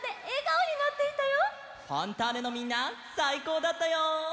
「ファンターネ！」のみんなさいこうだったよ！